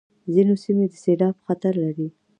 ځینې سیمې د سېلاب خطر لري.